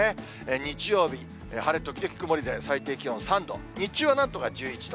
日曜日、晴れ時々曇りで最低気温３度、日中はなんとか１１度。